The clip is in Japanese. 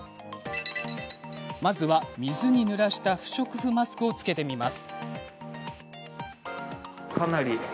まずは、水にぬらした不織布マスクを着けてみます。